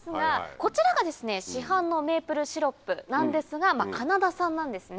こちらが市販のメープルシロップなんですがカナダ産なんですね。